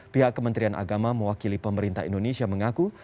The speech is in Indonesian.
pihak kementerian agama mewakili pemerintah indonesia mengaku